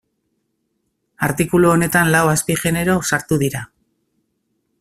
Artikulu honetan lau azpigenero sartu dira.